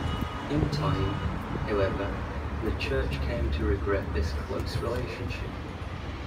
In time, however, the Church came to regret this close relationship.